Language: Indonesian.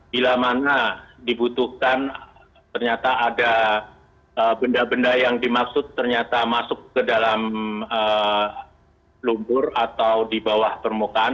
bila mana dibutuhkan ternyata ada benda benda yang dimaksud ternyata masuk ke dalam lumpur atau di bawah permukaan